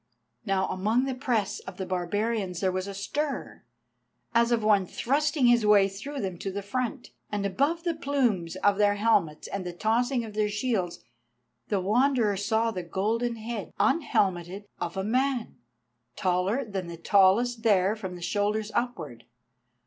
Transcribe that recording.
Now among the press of the barbarians there was a stir, as of one thrusting his way through them to the front. And above the plumes of their helmets and the tossing of their shields the Wanderer saw the golden head, unhelmeted, of a man, taller than the tallest there from the shoulders upwards.